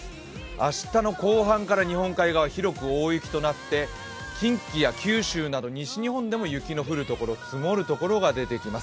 明日の後半から日本海側、広く大雪となって近畿や九州など西日本でも雪の降るところ積もるところが出てきます。